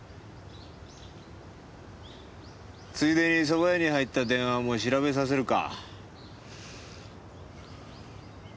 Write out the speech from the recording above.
ついでにそば屋に入った電話も調べさせるか？